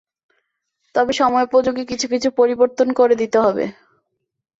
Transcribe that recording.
তবে সময়োপযোগী কিছু কিছু পরিবর্তন করে দিতে হবে।